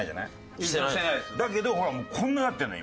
だけどほらもうこんなになってんのよ